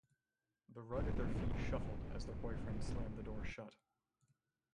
The rug at their feet shuffled as their boyfriend slammed the door shut.